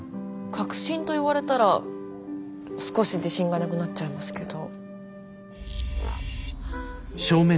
確信と言われたら少し自信がなくなっちゃいますけど。